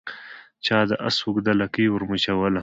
چا د آس اوږده لکۍ ور مچوله